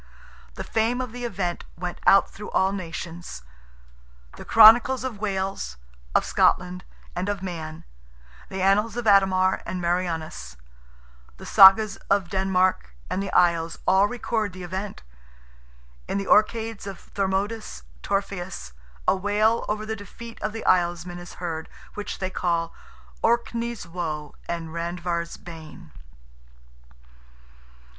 The fame of the event went out through all nations. The chronicles of Wales, of Scotland, and of Man; the annals of Ademar and Marianus; the Sagas of Denmark and the Isles all record the event. In "the Orcades" of Thormodus Torfaeus, a wail over the defeat of the Islesmen is heard, which they call "Orkney's woe and Randver's bane."